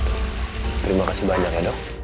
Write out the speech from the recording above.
terima kasih banyak ya dok